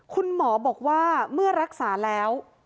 คุณหมอบอกว่าเมื่อรักษาแล้ว